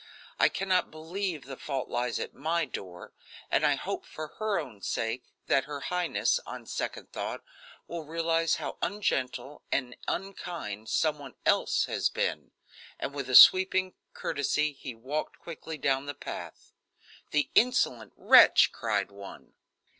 I cannot believe the fault lies at my door, and I hope for her own sake that her highness, on second thought, will realize how ungentle and unkind some one else has been." And with a sweeping courtesy he walked quickly down the path. "The insolent wretch!" cried one.